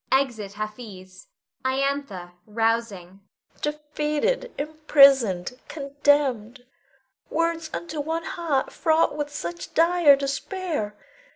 [Exit Hafiz. Iantha [rousing]. Defeated, imprisoned, condemned, words unto one heart fraught with such dire despair.